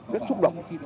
rất xúc động